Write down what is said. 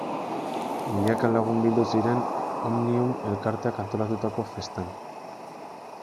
Milaka lagun bildu ziren Omnium elkarteak antolatutako festan.